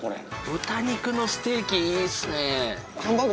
豚肉のステーキいいっすね。